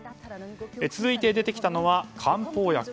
続いて出てきたのは漢方薬。